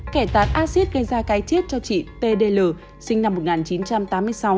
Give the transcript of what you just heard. kẻ tạt acid gây ra cái chết cho chị t d l sinh năm một nghìn chín trăm tám mươi sáu